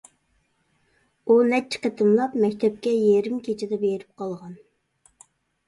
ئۇ نەچچە قېتىملاپ مەكتەپكە يېرىم كېچىدە بېرىپ قالغان.